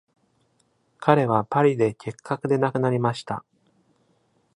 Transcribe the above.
彼はパリで結核で亡くなりました。